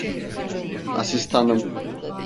Asistanım…